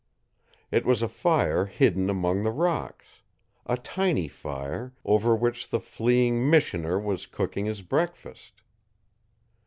It was a fire hidden among the rocks, a tiny fire, over which the fleeing missioner was cooking his breakfast.